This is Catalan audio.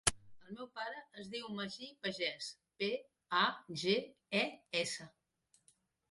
El meu pare es diu Magí Pages: pe, a, ge, e, essa.